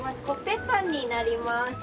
コッペパンになります。